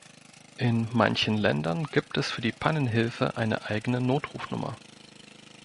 In manchen Ländern gibt es für die Pannenhilfe eine eigene Notrufnummer.